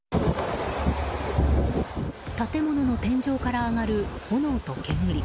建物の天井から上がる炎と煙。